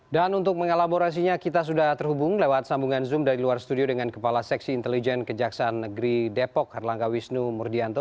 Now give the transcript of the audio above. dan untuk mengelaborasinya kita sudah terhubung lewat sambungan zoom dari luar studio dengan kepala seksi intelijen kejaksaan negeri depok harlangga wisnu murdianto